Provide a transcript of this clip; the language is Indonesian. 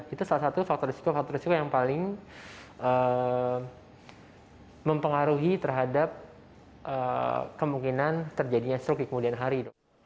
itu salah satu faktor risiko faktor risiko yang paling mempengaruhi terhadap kemungkinan terjadinya stroke di kemudian hari